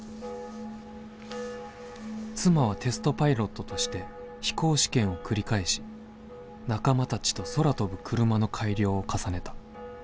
「妻はテストパイロットとして飛行試験を繰り返し仲間たちと空飛ぶクルマの改良を重ねた。